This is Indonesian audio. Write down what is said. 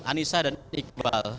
anissa dan iqbal